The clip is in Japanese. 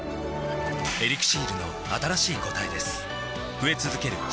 「エリクシール」の新しい答えです